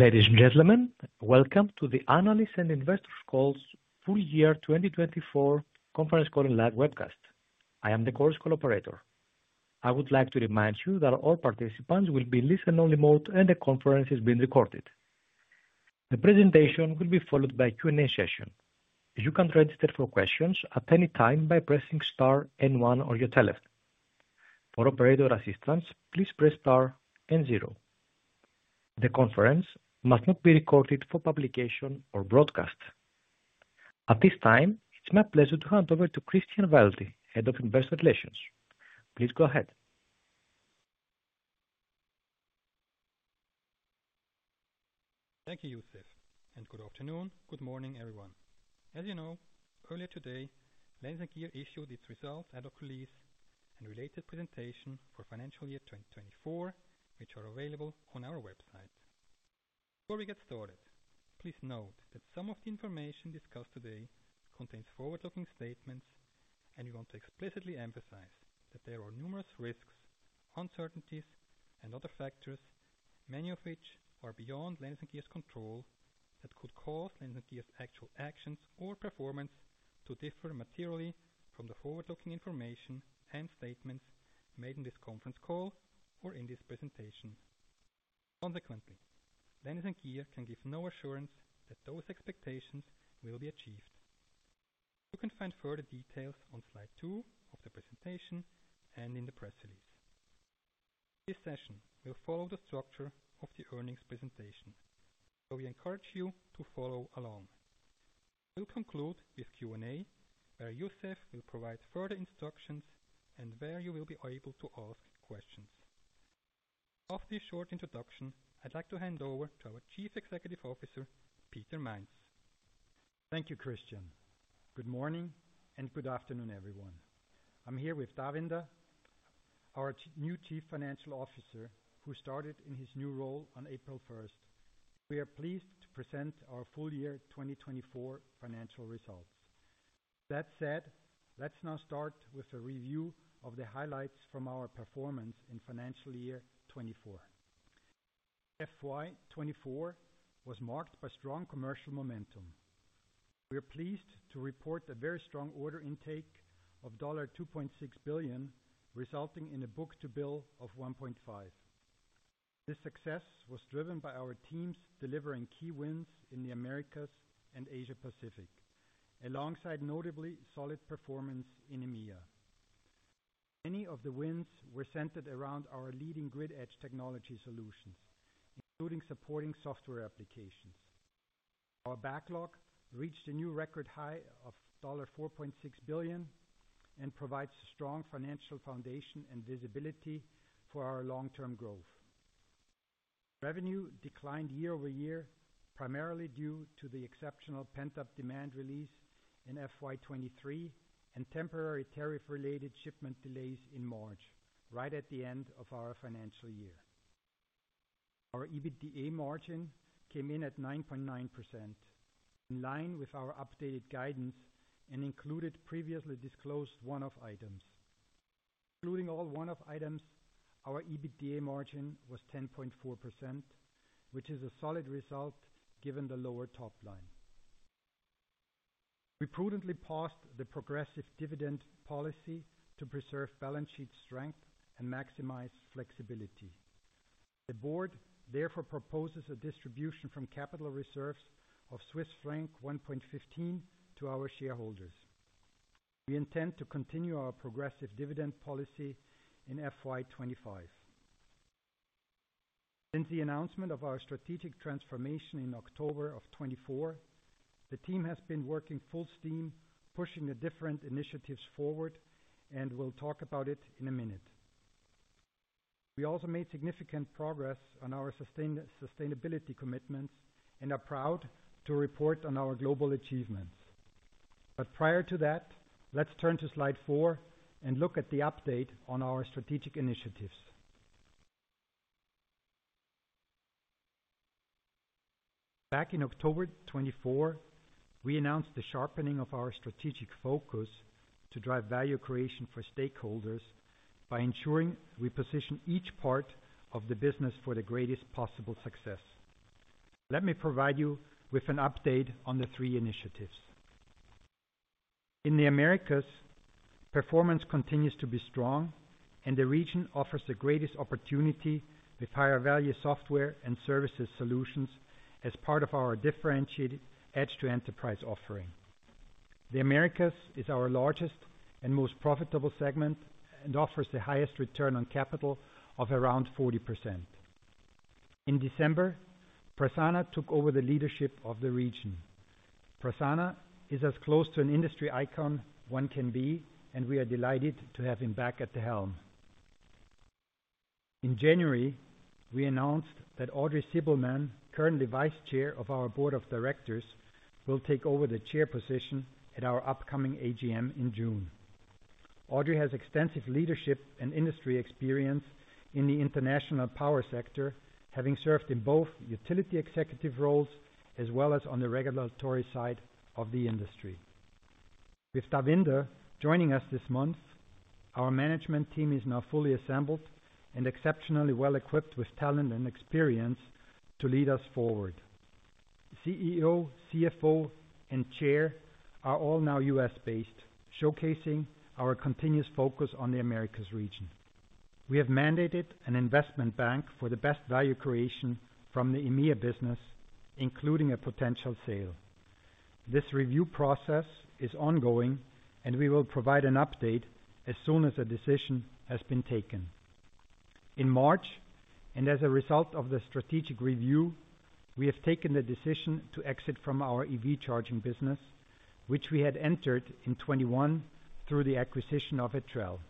Ladies and gentlemen, welcome to the Analyst and Investors Call Full Year 2024 Conference Call and Live Webcast. I am the call's co-operator. I would like to remind you that all participants will be in listen-only mode and the conference is being recorded. The presentation will be followed by a Q&A session. You can register for questions at any time by pressing star and one on your telephone. For operator assistance, please press star and zero. The conference must not be recorded for publication or broadcast. At this time, it's my pleasure to hand over to Christian Waelti, Head of Investor Relations. Please go ahead. Thank you, Youssef. Good afternoon, good morning, everyone. As you know, earlier today, Landis+Gyr issued its results and a release and related presentation for financial year 2024, which are available on our website. Before we get started, please note that some of the information discussed today contains forward-looking statements, and we want to explicitly emphasize that there are numerous risks, uncertainties, and other factors, many of which are beyond Landis+Gyr's control, that could cause Landis+Gyr's actual actions or performance to differ materially from the forward-looking information and statements made in this conference call or in this presentation. Consequently, Landis+Gyr can give no assurance that those expectations will be achieved. You can find further details on slide two of the presentation and in the press release. This session will follow the structure of the earnings presentation, so we encourage you to follow along. We'll conclude with Q&A, where Youssef will provide further instructions and where you will be able to ask questions. After this short introduction, I'd like to hand over to our Chief Executive Officer, Peter Mainz. Thank you, Christian. Good morning and good afternoon, everyone. I'm here with Davinder, our new Chief Financial Officer, who started in his new role on 1 April 2025. We are pleased to present our full year 2024 financial results. That said, let's now start with a review of the highlights from our performance in financial year 2024. FY 2024 was marked by strong commercial momentum. We're pleased to report a very strong order intake of $2.6 billion, resulting in a book-to-bill of 1.5. This success was driven by our teams delivering key wins in the Americas and Asia-Pacific, alongside notably solid performance in EMEA. Many of the wins were centered around our leading grid-edge technology solutions, including supporting software applications. Our backlog reached a new record high of $4.6 billion and provides a strong financial foundation and visibility for our long-term growth. Revenue declined year-over-year, primarily due to the exceptional pent-up demand release in FY 2023 and temporary tariff-related shipment delays in March, right at the end of our financial year. Our EBITDA margin came in at 9.9%, in line with our updated guidance and included previously disclosed one-off items. Including all one-off items, our EBITDA margin was 10.4%, which is a solid result given the lower top line. We prudently passed the progressive dividend policy to preserve balance sheet strength and maximize flexibility. The board, therefore, proposes a distribution from capital reserves of Swiss franc 1.15 to our shareholders. We intend to continue our progressive dividend policy in FY 2025. Since the announcement of our strategic transformation in October 2024, the team has been working full steam, pushing the different initiatives forward, and we'll talk about it in a minute. We also made significant progress on our sustainability commitments and are proud to report on our global achievements. Prior to that, let's turn to slide four and look at the update on our strategic initiatives. Back in October 2024, we announced the sharpening of our strategic focus to drive value creation for stakeholders by ensuring we position each part of the business for the greatest possible success. Let me provide you with an update on the three initiatives. In the Americas, performance continues to be strong, and the region offers the greatest opportunity with higher-value software and services solutions as part of our differentiated edge-to-enterprise offering. The Americas is our largest and most profitable segment and offers the highest return on capital of around 40%. In December, Prasanna took over the leadership of the region. Prasanna is as close to an industry icon one can be, and we are delighted to have him back at the helm. In January, we announced that Audrey Zibelman, currently Vice Chair of our Board of Directors, will take over the chair position at our upcoming AGM in June. Audrey has extensive leadership and industry experience in the international power sector, having served in both utility executive roles as well as on the regulatory side of the industry. With Davinder joining us this month, our management team is now fully assembled and exceptionally well-equipped with talent and experience to lead us forward. CEO, CFO, and Chair are all now US-based, showcasing our continuous focus on the Americas region. We have mandated an investment bank for the best value creation from the EMEA business, including a potential sale. This review process is ongoing, and we will provide an update as soon as a decision has been taken. In March, and as a result of the strategic review, we have taken the decision to exit from our EV charging business, which we had entered in 2021 through the acquisition of Etrel.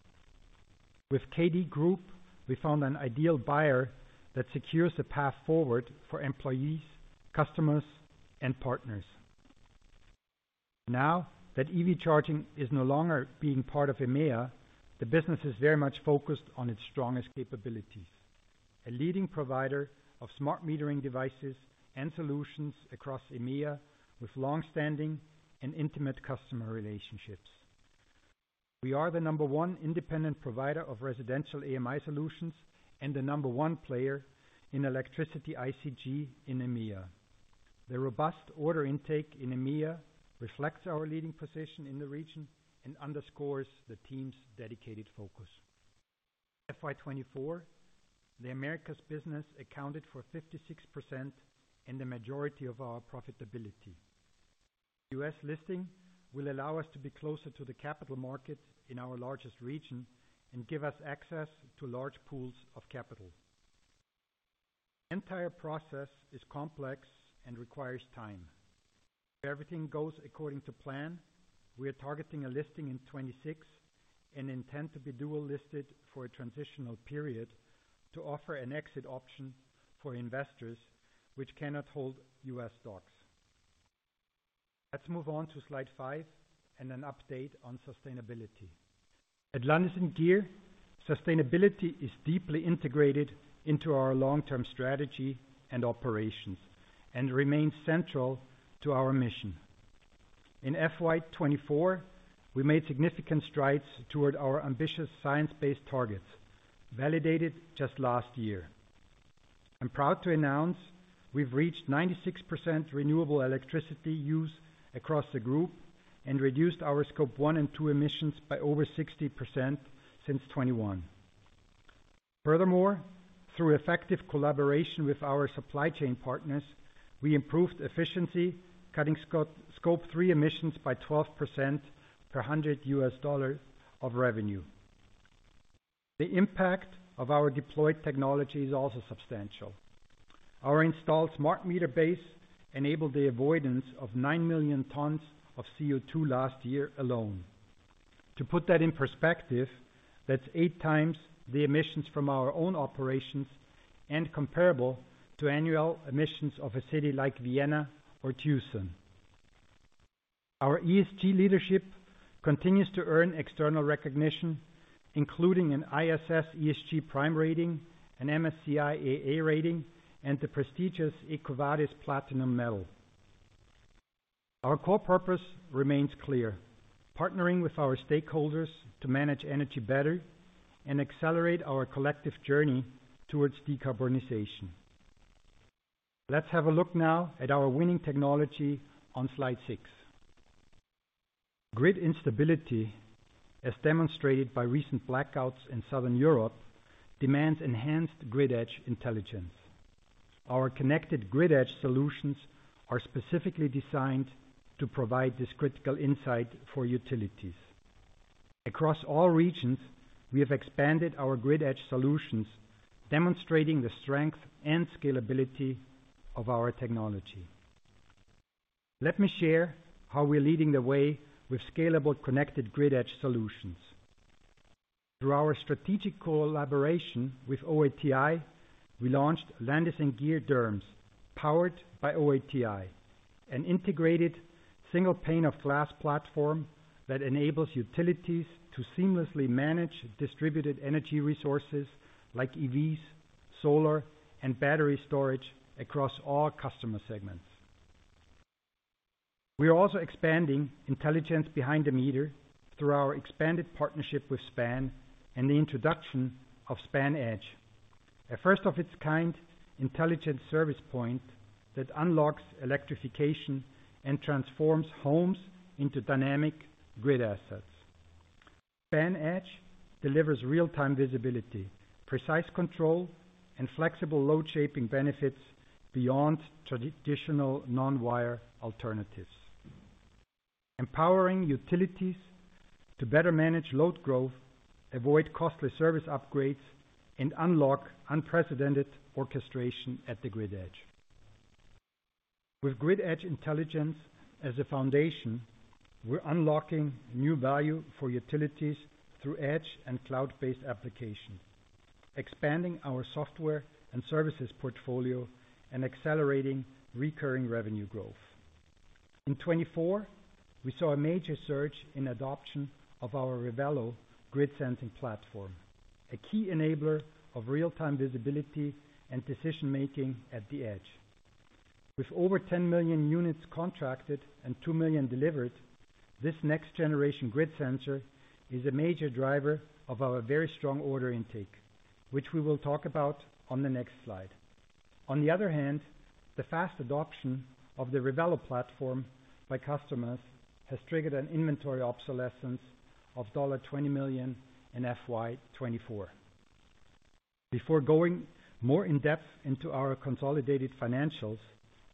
With KD Group, we found an ideal buyer that secures a path forward for employees, customers, and partners. Now that EV charging is no longer being part of EMEA, the business is very much focused on its strongest capabilities: a leading provider of smart metering devices and solutions across EMEA with long-standing and intimate customer relationships. We are the number one independent provider of residential AMI solutions and the number one player in electricity ICG in EMEA. The robust order intake in EMEA reflects our leading position in the region and underscores the team's dedicated focus. FY 2024, the Americas business accounted for 56% and the majority of our profitability. US listing will allow us to be closer to the capital market in our largest region and give us access to large pools of capital. The entire process is complex and requires time. If everything goes according to plan, we are targeting a listing in 2026 and intend to be dual-listed for a transitional period to offer an exit option for investors which cannot hold US stocks. Let's move on to slide five and an update on sustainability. At Landis+Gyr, sustainability is deeply integrated into our long-term strategy and operations and remains central to our mission. In FY 2024, we made significant strides toward our ambitious science-based targets, validated just last year. I'm proud to announce we've reached 96% renewable electricity use across the group and reduced our scope 1 and 2 emissions by over 60% since 2021. Furthermore, through effective collaboration with our supply chain partners, we improved efficiency, cutting scope 3 emissions by 12% per $100 of revenue. The impact of our deployed technology is also substantial. Our installed smart meter base enabled the avoidance of 9 million tons of CO2 last year alone. To put that in perspective, that's 8x the emissions from our own operations and comparable to annual emissions of a city like Vienna or Tucson. Our ESG leadership continues to earn external recognition, including an ISS ESG Prime rating, an MSCI AA rating, and the prestigious EcoVadis Platinum Medal. Our core purpose remains clear: partnering with our stakeholders to manage energy better and accelerate our collective journey towards decarbonization. Let's have a look now at our winning technology on slide six. Grid instability, as demonstrated by recent blackouts in Southern Europe, demands enhanced grid-edge intelligence. Our connected grid-edge solutions are specifically designed to provide this critical insight for utilities. Across all regions, we have expanded our grid-edge solutions, demonstrating the strength and scalability of our technology. Let me share how we're leading the way with scalable connected grid-edge solutions. Through our strategic collaboration with OATI, we launched Landis+Gyr DERMS, powered by OATI, an integrated single pane-of-glass platform that enables utilities to seamlessly manage distributed energy resources like EVs, solar, and battery storage across all customer segments. We are also expanding intelligence behind the meter through our expanded partnership with SPAN and the introduction of SPAN Edge, a first-of-its-kind intelligent service point that unlocks electrification and transforms homes into dynamic grid assets. SPAN Edge delivers real-time visibility, precise control, and flexible load-shaping benefits beyond traditional non-wire alternatives, empowering utilities to better manage load growth, avoid costly service upgrades, and unlock unprecedented orchestration at the grid edge. With grid-edge intelligence as a foundation, we're unlocking new value for utilities through edge and cloud-based applications, expanding our software and services portfolio, and accelerating recurring revenue growth. In 2024, we saw a major surge in adoption of our Revelo grid sensing platform, a key enabler of real-time visibility and decision-making at the edge. With over 10 million units contracted and 2 million delivered, this next-generation grid sensor is a major driver of our very strong order intake, which we will talk about on the next slide. On the other hand, the fast adoption of the Revelo platform by customers has triggered an inventory obsolescence of $20 million in FY 2024. Before going more in-depth into our consolidated financials,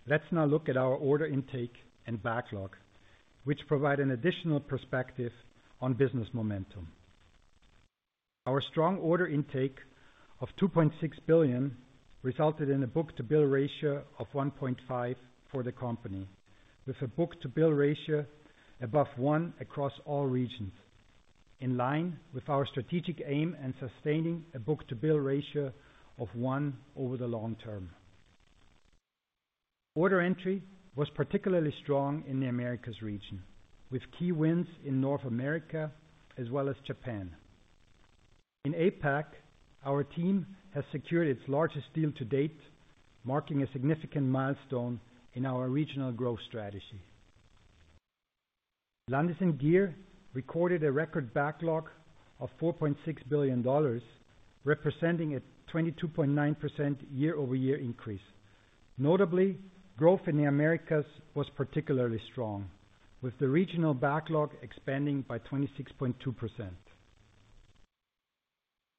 let's now look at our order intake and backlog, which provide an additional perspective on business momentum. Our strong order intake of $2.6 billion resulted in a book-to-bill ratio of 1.5 for the company, with a book-to-bill ratio above one across all regions, in line with our strategic aim and sustaining a book-to-bill ratio of one over the long term. Order entry was particularly strong in the Americas region, with key wins in North America as well as Japan. In APAC, our team has secured its largest deal to date, marking a significant milestone in our regional growth strategy. Landis+Gyr recorded a record backlog of $4.6 billion, representing a 22.9% year-over-year increase. Notably, growth in the Americas was particularly strong, with the regional backlog expanding by 26.2%.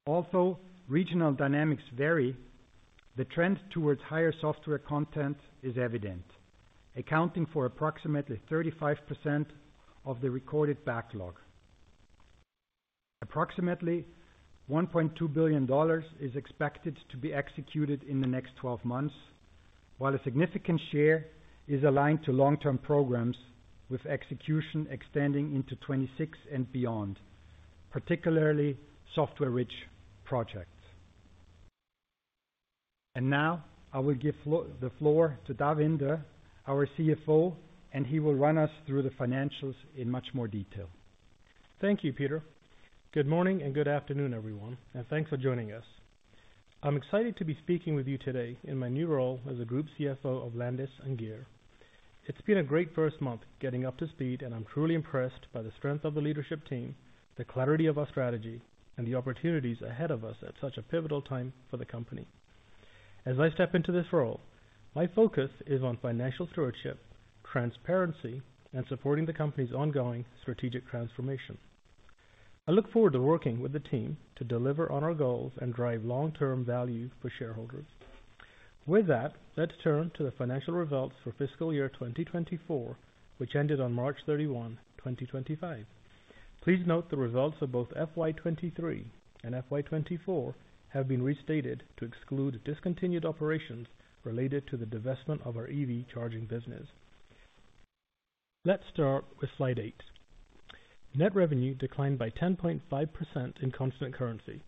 Although regional dynamics vary, the trend towards higher software content is evident, accounting for approximately 35% of the recorded backlog. Approximately $1.2 billion is expected to be executed in the next 12 months, while a significant share is aligned to long-term programs, with execution extending into 2026 and beyond, particularly software-rich projects. I will give the floor to Davinder, our CFO, and he will run us through the financials in much more detail. Thank you, Peter. Good morning and good afternoon, everyone, and thanks for joining us. I'm excited to be speaking with you today in my new role as the Group CFO of Landis+Gyr. It's been a great first month getting up to speed, and I'm truly impressed by the strength of the leadership team, the clarity of our strategy, and the opportunities ahead of us at such a pivotal time for the company. As I step into this role, my focus is on financial stewardship, transparency, and supporting the company's ongoing strategic transformation. I look forward to working with the team to deliver on our goals and drive long-term value for shareholders. With that, let's turn to the financial results for fiscal year 2024, which ended on 31 March 2025. Please note the results of both FY 2023 and FY 20`24 have been restated to exclude discontinued operations related to the divestment of our EV charging business. Let's start with slide eight. Net revenue declined by 10.5% in constant currency,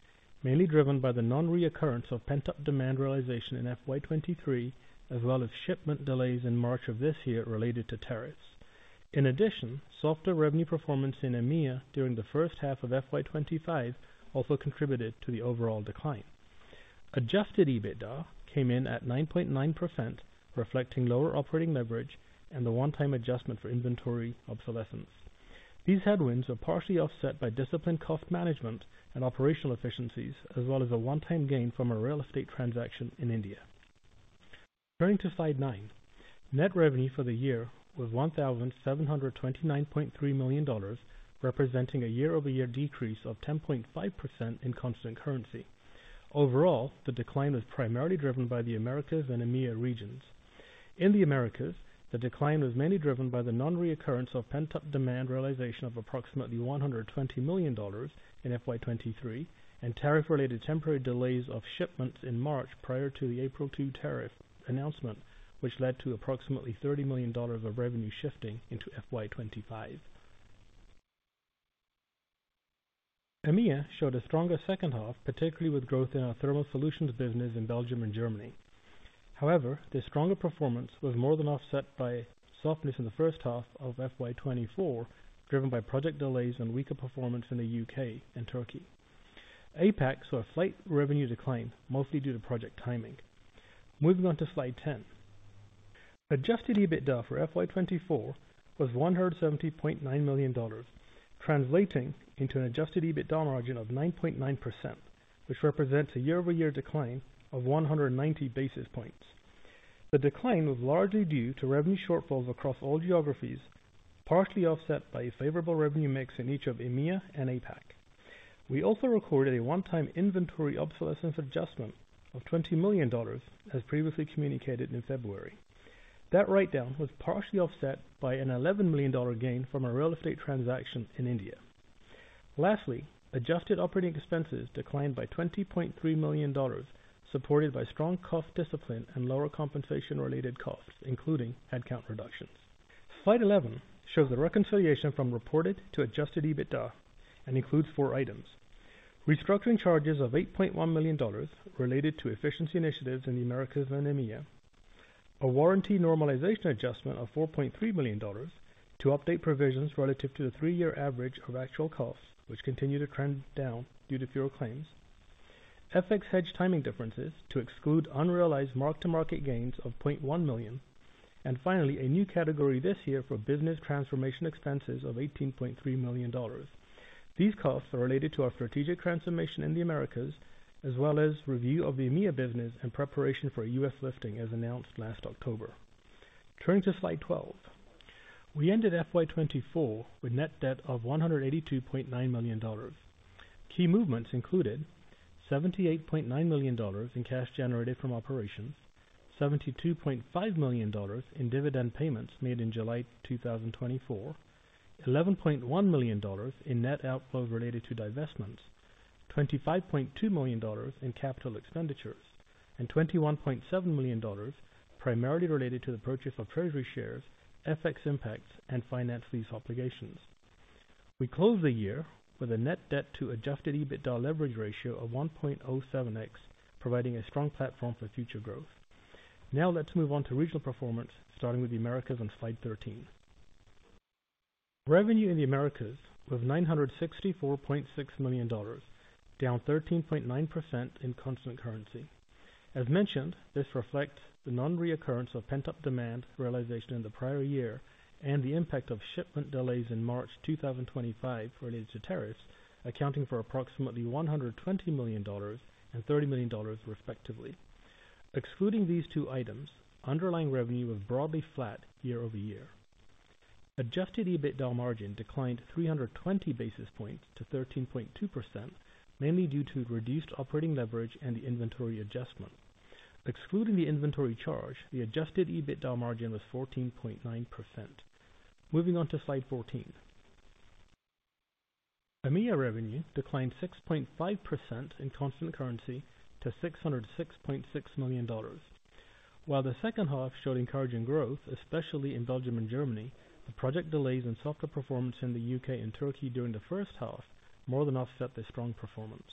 mainly driven by the non-reoccurrence of pent-up demand realization in FY 2023, as well as shipment delays in March of this year related to tariffs. In addition, software revenue performance in EMEA during the H1 of FY 2025 also contributed to the overall decline. Adjusted EBITDA came in at 9.9%, reflecting lower operating leverage and the one-time adjustment for inventory obsolescence. These headwinds were partially offset by disciplined cost management and operational efficiencies, as well as a one-time gain from a real estate transaction in India. Turning to slide nine, net revenue for the year was $1,729.3 million, representing a year-over-year decrease of 10.5% in constant currency. Overall, the decline was primarily driven by the Americas and EMEA regions. In the Americas, the decline was mainly driven by the non-reoccurrence of pent-up demand realization of approximately $120 million in FY 2023 and tariff-related temporary delays of shipments in March prior to the 2 April tariff announcement, which led to approximately $30 million of revenue shifting into FY 2025. EMEA showed a stronger H2, particularly with growth in our thermal solutions business in Belgium and Germany. However, this stronger performance was more than offset by softness in the H1 of FY 2024, driven by project delays and weaker performance in the UK and Turkey. APAC saw a slight revenue decline, mostly due to project timing. Moving on to slide 10, adjusted EBITDA for FY 2024 was $170.9 million, translating into an adjusted EBITDA margin of 9.9%, which represents a year-over-year decline of 190 basis points. The decline was largely due to revenue shortfalls across all geographies, partially offset by a favorable revenue mix in each of EMEA and APAC. We also recorded a one-time inventory obsolescence adjustment of $20 million, as previously communicated in February. That write-down was partially offset by an $11 million gain from a real estate transaction in India. Lastly, adjusted operating expenses declined by $20.3 million, supported by strong cost discipline and lower compensation-related costs, including headcount reductions. Slide 11 shows the reconciliation from reported to adjusted EBITDA and includes four items: restructuring charges of $8.1 million related to efficiency initiatives in the Americas and EMEA, a warranty normalization adjustment of $4.3 million to update provisions relative to the three-year average of actual costs, which continue to trend down due to fuel claims, FX hedge timing differences to exclude unrealized mark-to-market gains of $0.1 million, and finally, a new category this year for business transformation expenses of $18.3 million. These costs are related to our strategic transformation in the Americas, as well as review of the EMEA business and preparation for US listing, as announced last October. Turning to slide 12, we ended FY 2024 with net debt of $182.9 million. Key movements included $78.9 million in cash generated from operations, $72.5 million in dividend payments made in July 2024, $11.1 million in net outflow related to divestments, $25.2 million in capital expenditures, and $21.7 million primarily related to the purchase of treasury shares, FX impacts, and finance lease obligations. We closed the year with a net debt to adjusted EBITDA leverage ratio of 1.07x, providing a strong platform for future growth. Now, let's move on to regional performance, starting with the Americas on slide 13. Revenue in the Americas was $964.6 million, down 13.9% in constant currency. As mentioned, this reflects the non-reoccurrence of pent-up demand realization in the prior year and the impact of shipment delays in March 2025 related to tariffs, accounting for approximately $120 million and $30 million, respectively. Excluding these two items, underlying revenue was broadly flat year-over-year. Adjusted EBITDA margin declined 320 basis points to 13.2%, mainly due to reduced operating leverage and the inventory adjustment. Excluding the inventory charge, the adjusted EBITDA margin was 14.9%. Moving on to slide 14, EMEA revenue declined 6.5% in constant currency to $606.6 million. While the H2 showed encouraging growth, especially in Belgium and Germany, the project delays and software performance in the UK and Turkey during the H1 more than offset the strong performance.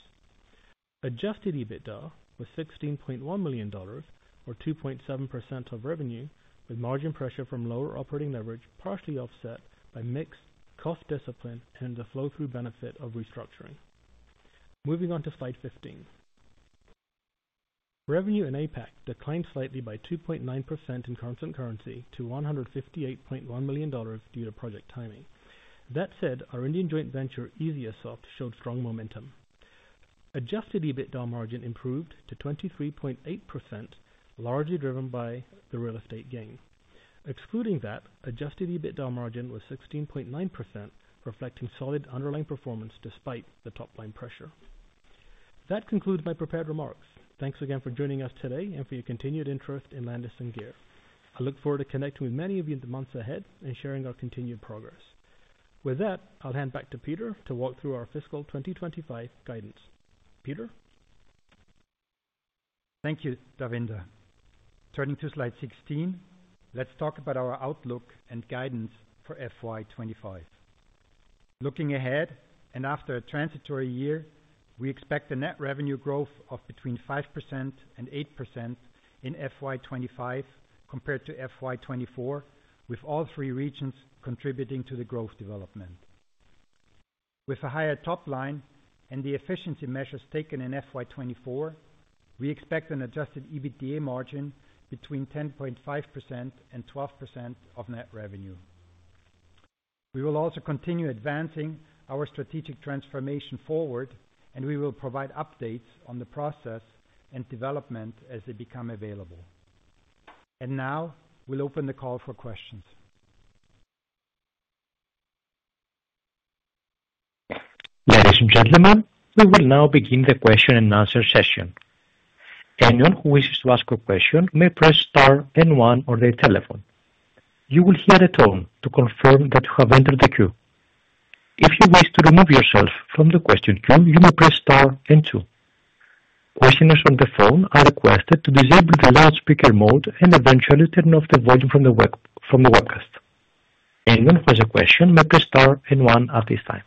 Adjusted EBITDA was $16.1 million, or 2.7% of revenue, with margin pressure from lower operating leverage partially offset by mixed cost discipline and the flow-through benefit of restructuring. Moving on to slide 15, revenue in APAC declined slightly by 2.9% in constant currency to $158.1 million due to project timing. That said, our Indian joint venture, Esyasoft, showed strong momentum. Adjusted EBITDA margin improved to 23.8%, largely driven by the real estate gain. Excluding that, adjusted EBITDA margin was 16.9%, reflecting solid underlying performance despite the top-line pressure. That concludes my prepared remarks. Thanks again for joining us today and for your continued interest in Landis+Gyr. I look forward to connecting with many of you in the months ahead and sharing our continued progress. With that, I'll hand back to Peter to walk through our fiscal 2025 guidance. Peter? Thank you, Davinder. Turning to slide 16, let's talk about our outlook and guidance for FY 2025. Looking ahead and after a transitory year, we expect a net revenue growth of between 5% and 8% in FY 2025 compared to FY 2024, with all three regions contributing to the growth development. With a higher top line and the efficiency measures taken in FY 2024, we expect an adjusted EBITDA margin between 10.5% and 12% of net revenue. We will also continue advancing our strategic transformation forward, and we will provide updates on the process and development as they become available. Now, we'll open the call for questions. Ladies and gentlemen, we will now begin the question-and-answer session. Anyone who wishes to ask a question may press star and one on their telephone. You will hear a tone to confirm that you have entered the queue. If you wish to remove yourself from the question queue, you may press star and two. Questioners on the phone are requested to disable the loudspeaker mode and eventually turn off the volume from the webcast. Anyone who has a question may press star and one at this time.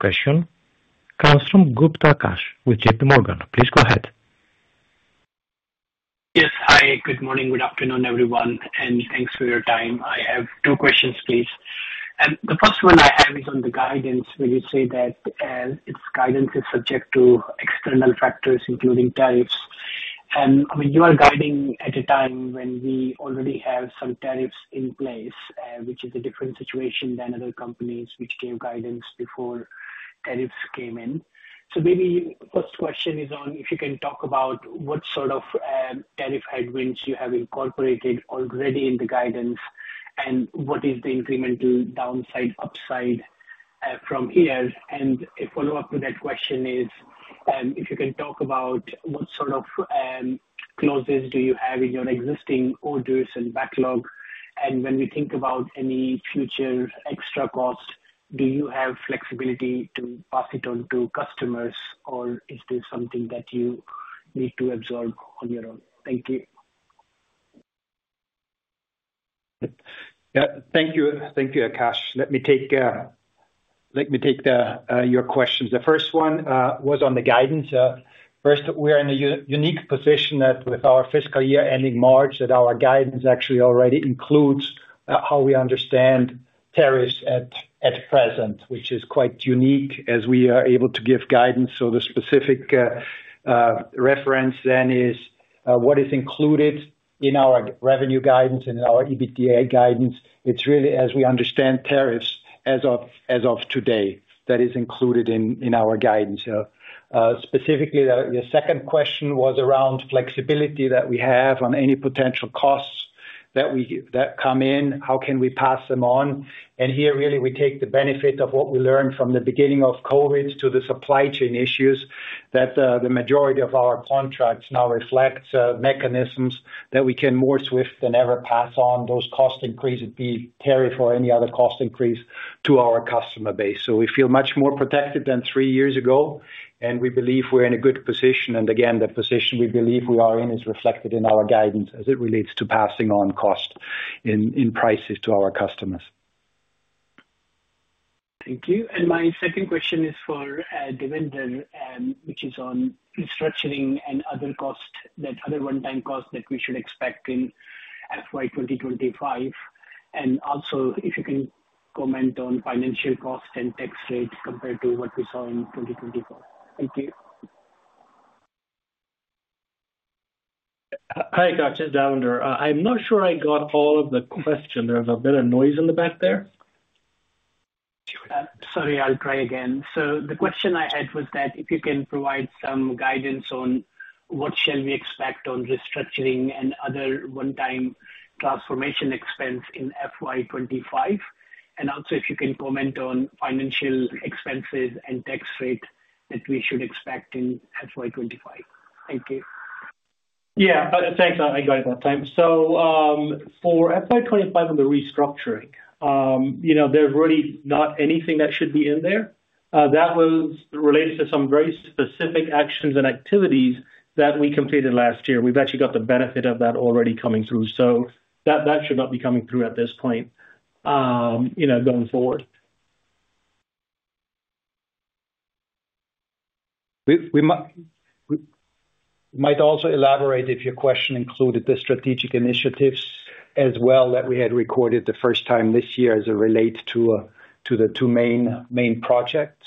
Our first question comes from Akash Gupta with JPMorgan. Please go ahead. Yes, hi. Good morning. Good afternoon, everyone, and thanks for your time. I have two questions, please. The first one I have is on the guidance. When you say that its guidance is subject to external factors, including tariffs, and you are guiding at a time when we already have some tariffs in place, which is a different situation than other companies which gave guidance before tariffs came in. Maybe the first question is on if you can talk about ?sort of tariff headwinds you have incorporated already in the guidance and what is the incremental downside upside from here? A follow-up to that question is if you can talk about what sort of clauses do you have in your existing orders and backlog? When we think about any future extra cost, do you have flexibility to pass it on to customers, or is this something that you need to absorb on your own? Thank you. Thank you, Akash. Let me take your questions. The first one was on the guidance. First, we are in a unique position that with our fiscal year ending March, our guidance actually already includes how we understand tariffs at present, which is quite unique as we are able to give guidance. The specific reference then is what is included in our revenue guidance and in our EBITDA guidance. It is really as we understand tariffs as of today that is included in our guidance. Specifically, the second question was around flexibility that we have on any potential costs that come in. How can we pass them on? Here, really, we take the benefit of what we learned from the beginning of COVID to the supply chain issues that the majority of our contracts now reflect mechanisms that we can more swift than ever pass on those cost increases, be it tariff or any other cost increase, to our customer base. We feel much more protected than three years ago, and we believe we're in a good position. The position we believe we are in is reflected in our guidance as it relates to passing on cost in prices to our customers. Thank you. My second question is for Davinder, which is on restructuring and other costs, that other one-time costs that we should expect in FY 2025. Also, if you can comment on financial costs and tax rates compared to what we saw in 2024. Thank you. Hi, Akash. It's Davinder. I'm not sure I got all of the questions. There's a bit of noise in the back there. Sorry, I'll try again. The question I had was that if you can provide some guidance on what shall we expect on restructuring and other one-time transformation expense in FY 2025, and also if you can comment on financial expenses and tax rate that we should expect in FY 2025? Thank you. Yeah, thanks. I got it that time. For FY 2025 on the restructuring, there's really not anything that should be in there. That was related to some very specific actions and activities that we completed last year. We've actually got the benefit of that already coming through. That should not be coming through at this point going forward. We might also elaborate if your question included the strategic initiatives as well that we had recorded the first time this year as it relates to the two main projects.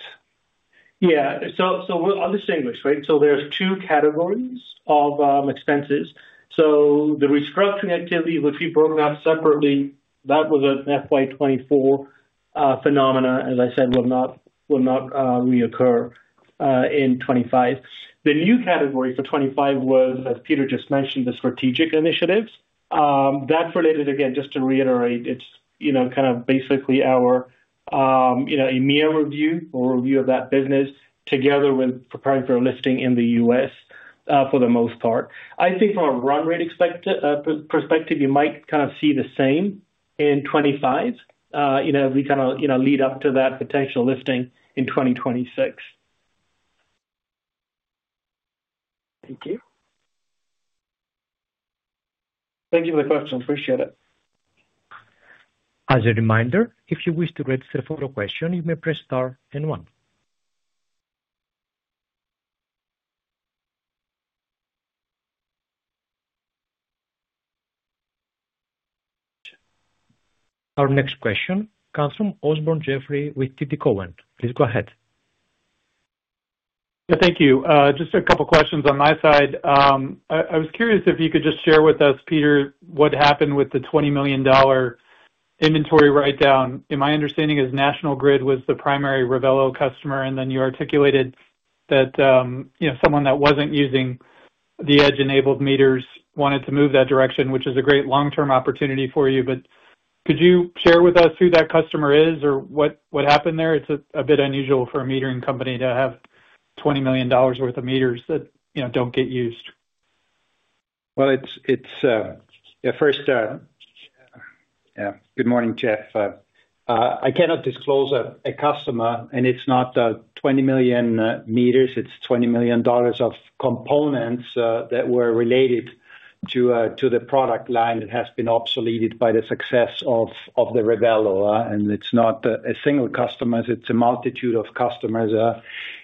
Yeah. We will distinguish, right? There are two categories of expenses. The restructuring activity, which we broke up separately, that was a FY 2024 phenomenon. As I said, it will not reoccur in 2025. The new category for 2025 was, as Peter just mentioned, the strategic initiatives. That is related, again, just to reiterate, it is basically our EMEA review or review of that business together with preparing for a listing in the US for the most part. I think from a run rate perspective, you might kind of see the same in 2025 as we lead up to that potential listing in 2026. Thank you. Thank you for the question. Appreciate it. As a reminder, if you wish to register for a question, you may press star and one. Our next question comes from Osborne Jeffrey with TD Cowen. Please go ahead. Thank you. Just a couple of questions on my side. I was curious if you could just share with us, Peter, what happened with the $20 million inventory write-down. In my understanding, National Grid was the primary Revelo customer, and then you articulated that someone that was not using the edge-enabled meters wanted to move that direction, which is a great long-term opportunity for you. Could you share with us who that customer is or what happened there? It is a bit unusual for a metering company to have $20 million worth of meters that do not get used. First, good morning, Jeff. I cannot disclose a customer, and it is not 20 million meters. It's $20 million of components that were related to the product line that has been obsoleted by the success of the Revelo. It's not a single customer; it's a multitude of customers.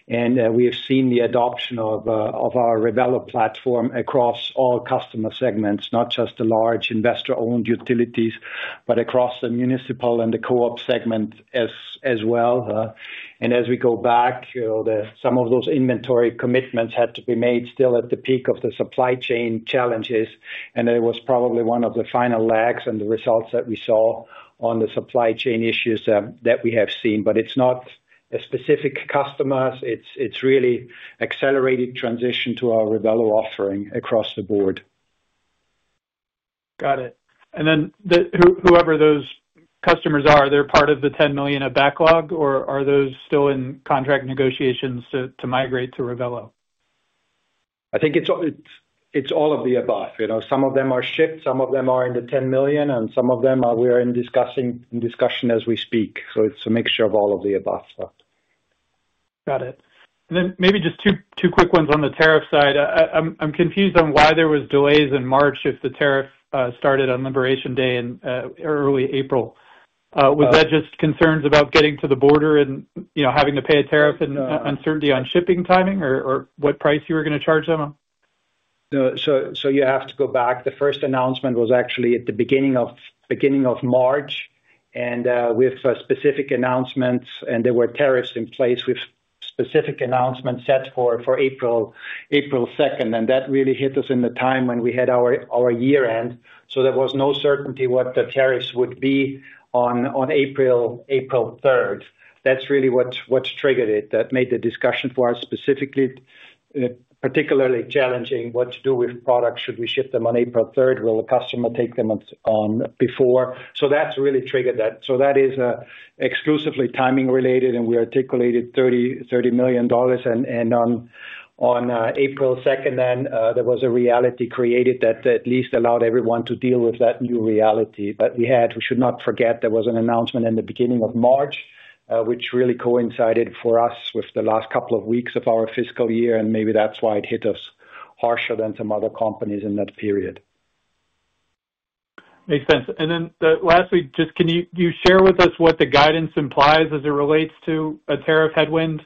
We have seen the adoption of our Revelo platform across all customer segments, not just the large investor-owned utilities, but across the municipal and the co-op segment as well. As we go back, some of those inventory commitments had to be made still at the peak of the supply chain challenges, and it was probably one of the final lags in the results that we saw on the supply chain issues that we have seen. It's not specific customers. It's really an accelerated transition to our Revelo offering across the board. Got it. Whoever those customers are, they're part of the 10 million backlog, or are those still in contract negotiations to migrate to Revelo? I think it's all of the above. Some of them are shipped, some of them are in the 10 million, and some of them we are in discussion as we speak. It's a mixture of all of the above. Got it. Maybe just two quick ones on the tariff side. I'm confused on why there were delays in March if the tariff started on Liberation Day in early April. Was that just concerns about getting to the border and having to pay a tariff and uncertainty on shipping timing or what price you were going to charge them on? You have to go back. The first announcement was actually at the beginning of March, and we have specific announcements, and there were tariffs in place with specific announcements set for 2 April. That really hit us in the time when we had our year-end. There was no certainty what the tariffs would be on 3 April. That is really what triggered it. That made the discussion for us specifically particularly challenging what to do with products. Should we ship them on 3 April? Will the customer take them before? That really triggered that. That is exclusively timing-related, and we articulated $30 million. On 2 April, there was a reality created that at least allowed everyone to deal with that new reality that we had. We should not forget there was an announcement in the beginning of March, which really coincided for us with the last couple of weeks of our fiscal year, and maybe that's why it hit us harsher than some other companies in that period. Makes sense. Lastly, just can you share with us what the guidance implies as it relates to a tariff headwind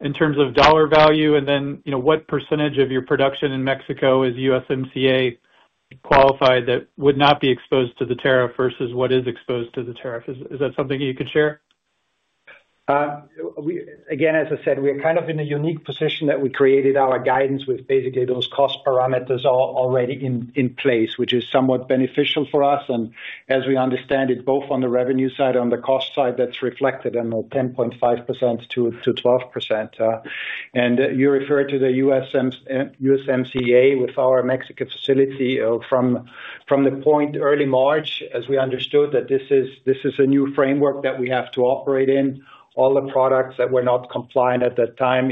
in terms of dollar value, and then what percentage of your production in Mexico is USMCA qualified that would not be exposed to the tariff versus what is exposed to the tariff? Is that something you could share? Again, as I said, we are kind of in a unique position that we created our guidance with basically those cost parameters already in place, which is somewhat beneficial for us. As we understand it, both on the revenue side and on the cost side, that's reflected on the 10.5% to 12%. You referred to the USMCA with our Mexican facility from the point early March, as we understood that this is a new framework that we have to operate in. All the products that were not compliant at that time,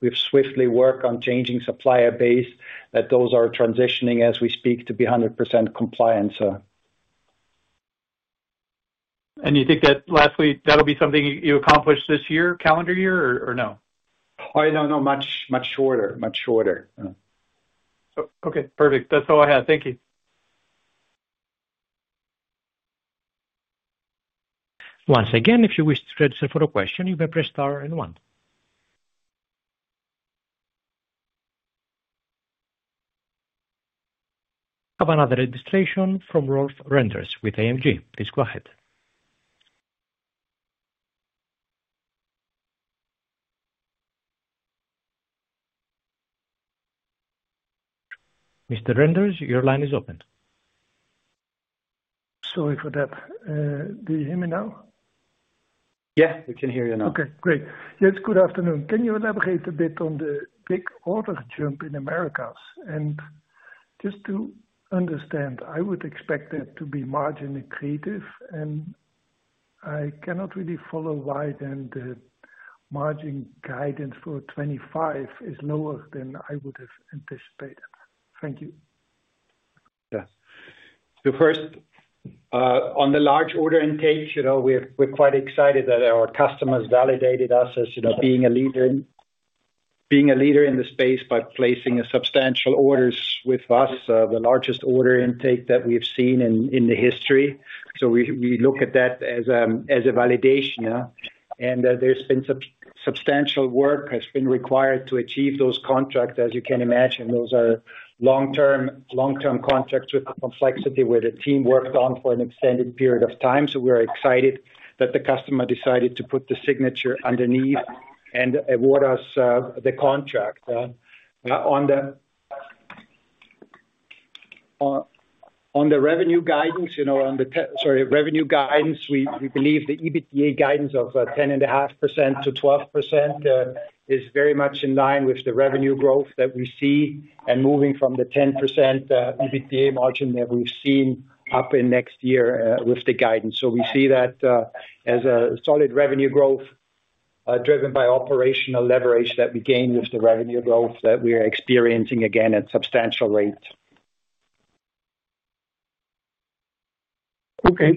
we've swiftly worked on changing supplier base, that those are transitioning as we speak to be 100% compliant. You think that lastly, that'll be something you accomplish this year, calendar year, or no? Oh, no, no. Much shorter. Much shorter. Okay. Perfect. That's all I had. Thank you. Once again, if you wish to register for a question, you may press star and one. I have another registration from Rolf Renders with AMG. Please go ahead. Mr. Renders, your line is open. Sorry for that. Do you hear me now? Yeah, we can hear you now. Okay. Great. Yes, good afternoon. Can you elaborate a bit on the big order jump in Americas? And just to understand, I would expect that to be marginally accretive, and I cannot really follow why then the margin guidance for 2025 is lower than I would have anticipated. Thank you. First, on the large order intake, we're quite excited that our customers validated us as being a leader in the space by placing substantial orders with us, the largest order intake that we've seen in the history. We look at that as a validation. There's been substantial work that's been required to achieve those contracts, as you can imagine. Those are long-term contracts with complexity where the team worked on for an extended period of time. We're excited that the customer decided to put the signature underneath and award us the contract. On the revenue guidance, sorry, revenue guidance, we believe the EBITDA guidance of 10.5% to 12% is very much in line with the revenue growth that we see and moving from the 10% EBITDA margin that we've seen up in next year with the guidance. We see that as a solid revenue growth driven by operational leverage that we gain with the revenue growth that we are experiencing again at substantial rate.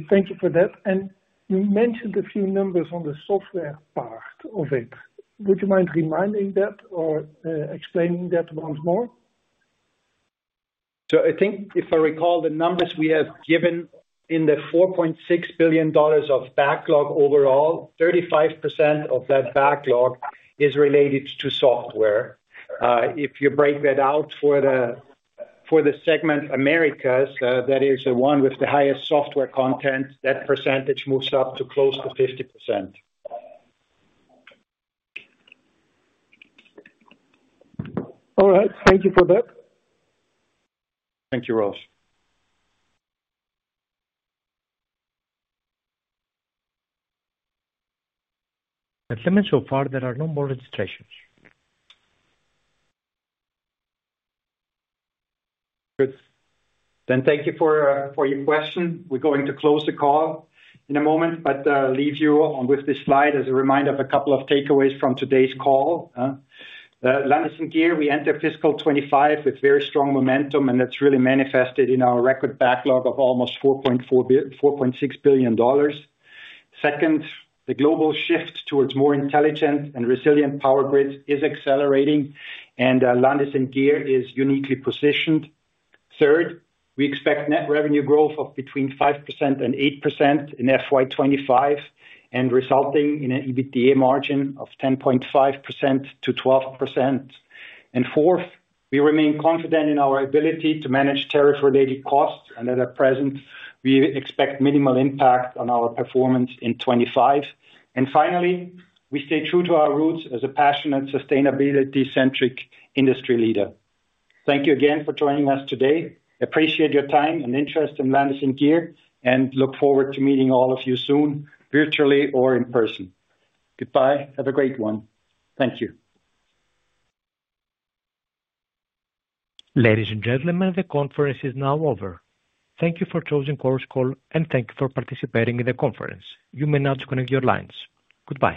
Thank you for that. You mentioned a few numbers on the software part of it. Would you mind reminding that or explaining that once more? I think if I recall, the numbers we have given in the $4.6 billion of backlog overall, 35% of that backlog is related to software. If you break that out for the segment Americas, that is the one with the highest software content, that percentage moves up to close to 50%. All right. Thank you for that. Thank you, Rolf. At the moment so far, there are no more registrations. Good. Thank you for your question. We are going to close the call in a moment, but leave you with this slide as a reminder of a couple of takeaways from today's call. Landis+Gyr, we enter fiscal 2025 with very strong momentum, and that is really manifested in our record backlog of almost $4.6 billion. Second, the global shift towards more intelligent and resilient power grids is accelerating, and Landis+Gyr is uniquely positioned. Third, we expect net revenue growth of between 5% and 8% in FY 2025, resulting in an EBITDA margin of 10.5% to 12%. Fourth, we remain confident in our ability to manage tariff-related costs, and at the present, we expect minimal impact on our performance in 2025. Finally, we stay true to our roots as a passionate sustainability-centric industry leader. Thank you again for joining us today. Appreciate your time and interest in Landis+Gyr, and look forward to meeting all of you soon, virtually or in person. Goodbye. Have a great one. Thank you. Ladies and gentlemen, the conference is now over. Thank you for choosing [Chorus Call], and thank you for participating in the conference. You may now disconnect your lines. Goodbye.